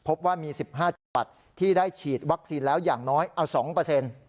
พบว่ามี๑๕จังหวัดที่ได้ฉีดวัคซีนแล้วอย่างน้อยเอา๒เปอร์เซ็นต์